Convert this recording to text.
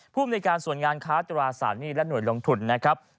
ภูมิในการส่วนงานค้าตราสารหนี้และหน่วยลงทุนนะครับ